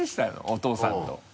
お父さんと。